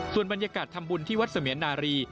ส่วนบรรยากาศทำบุญที่วัดเสมียนนารี